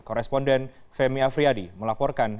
koresponden femi afriyadi melaporkan